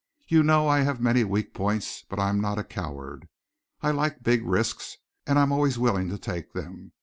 You know I have many weak points, but I am not a coward. I like big risks, and I am always willing to take them.